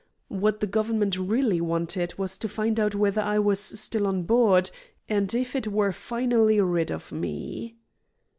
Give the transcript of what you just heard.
What the Government really wanted was to find out whether I was still on board, and if it were finally rid of me.